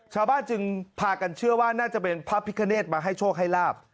ชาวบ้านจึงพากันเชื่อว่าน่าจะเป็นพระพิคเนธมาให้โชคให้ลาบ